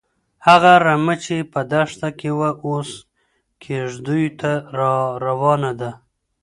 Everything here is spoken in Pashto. هغه رمه چې په دښته کې وه، اوس کيږديو ته راروانه ده.